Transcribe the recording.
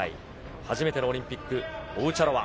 初めてのオリンピック、オウチャロワ。